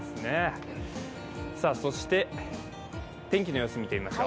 そして天気の様子見てみましょう。